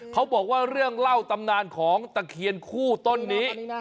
เขาบอกว่าเรื่องเล่าตำนานของตะเคียนคู่ต้นนี้